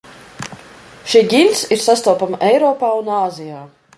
Šī ģints ir sastopama Eiropā un Āzijā.